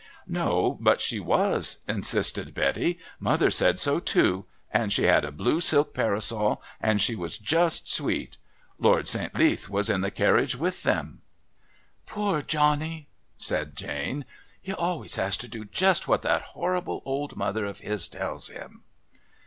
"No, but she was," insisted Betty, "mother said so too, and she had a blue silk parasol, and she was just sweet. Lord St. Leath was in the carriage with them." "Poor Johnny!" said Jane. "He always has to do just what that horrible old mother of his tells him."